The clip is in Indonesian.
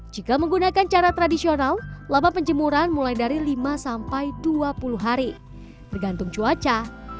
jika menggunakan cara tradisional lama penjemuran mulai dari lima sampai dua puluh hari tergantung cuaca